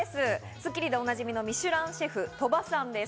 『スッキリ』でお馴染みのミシュランシェフ、鳥羽さんです。